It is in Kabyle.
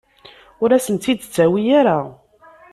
Ur asen-tt-id-ttawi ara.